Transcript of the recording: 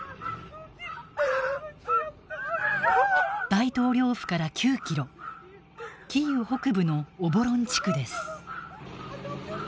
大統領府から９キロキーウ北部のオボロン地区です。